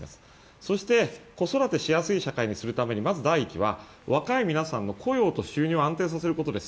そして子育てしやすくするために第一は若い皆さんの雇用と収入を安定させることです